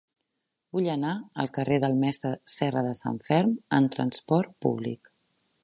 Vull anar al carrer del Mestre Serradesanferm amb trasport públic.